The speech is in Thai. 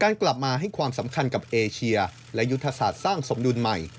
กลับมาให้ความสำคัญกับเอเชียและยุทธศาสตร์สร้างสมดุลใหม่